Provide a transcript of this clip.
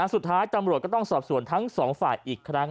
สุดท้ายตำรวจก็ต้องสอบสวนทั้งสองฝ่ายอีกครั้ง